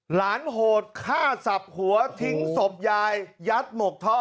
โหดฆ่าสับหัวทิ้งศพยายยัดหมกท่อ